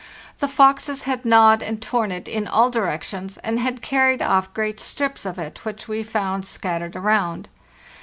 The foxes had gnawed and torn it in all directions, and had carried off great strips of it, which we found scattered around.